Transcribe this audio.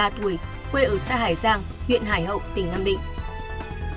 ba mươi tuổi quê ở xã hải giang huyện hải hậu tỉnh nam định